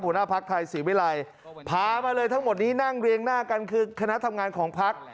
ภักดิ์ไทยศรีวิรัยพามาเลยทั้งหมดนี้นั่งเรียงหน้ากันคือคณะทำงานของพัก